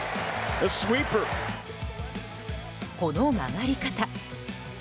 この曲がり方。